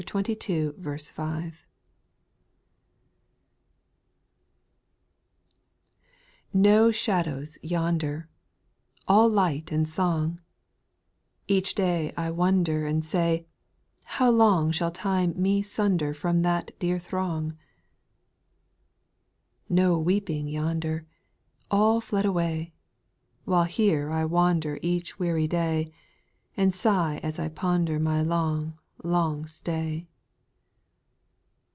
5. 1. \rO shadows yonder I— Jul All light and song I— Each day I wonder, And say, How long Shall time me sunder From that dear throng ? 2. No weeping yonder, — All fled away ! AVhile here I wander Each weary day. And sigh as I ponder My long, long stay.